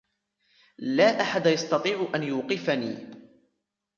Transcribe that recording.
لا أحد يستطيع أن يوقفني.